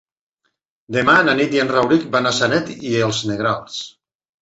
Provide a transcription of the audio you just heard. Demà na Nit i en Rauric van a Sanet i els Negrals.